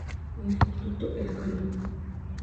Instituto Elcano.